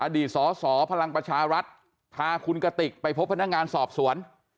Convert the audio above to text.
อดีตสสพลังประชารัฐพาคุณกติกไปพบพนักงานสอบสวน